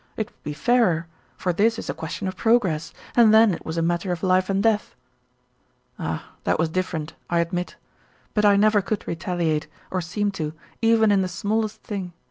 It would be fairer; for this is a question of progress, and then it was a matter of life and death." "Ah, that was different, I admit. But I never could retaliate, or seem to, even in the smallest thing.